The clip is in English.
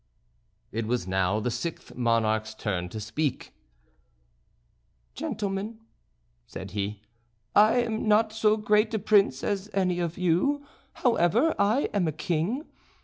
It was now the sixth monarch's turn to speak: "Gentlemen," said he, "I am not so great a prince as any of you; however, I am a king.